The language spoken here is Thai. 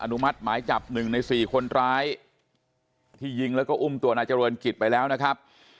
นุมัติหมายจับ๑ใน๔คนร้ายที่ยิงแล้วก็อุ้มตัวนายเจริญกิจไปแล้วนะครับ